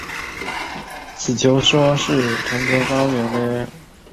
死因一说是藤堂高虎向秀吉献策而被迫自刃于粉河。